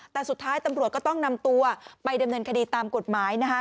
แต่สุดท้ายตำรวจก็ต้องนำตัวไปดำเนินคดีตามกฎหมายนะคะ